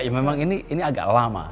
ya memang ini agak lama